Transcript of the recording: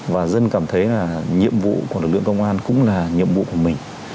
và dân cảm thấy là nhiệm vụ của lực lượng công an cũng là nhiệm vụ của mình